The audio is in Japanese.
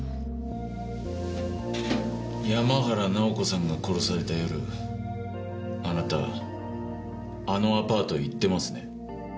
山原直子さんが殺された夜あなたあのアパートへ行ってますね？